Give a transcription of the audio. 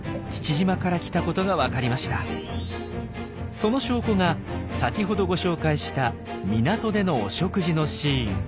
その証拠が先ほどご紹介した港でのお食事のシーン。